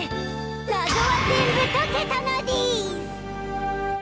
謎は全部解けたのでぃす！